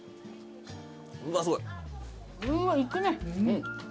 うわっいくね。